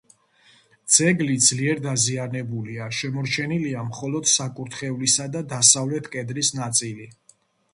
ძეგლი ძლიერ დაზიანებულია: შემორჩენილია მხოლოდ საკურთხევლისა და დასავლეთ კედლის ნაწილი.